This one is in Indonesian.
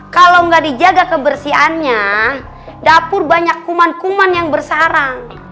kalau nggak dijaga kebersihannya dapur banyak kuman kuman yang bersarang